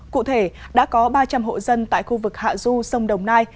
cụ thể đã có ba trăm linh hộ dân tại khu vực hạ du sông đồng nai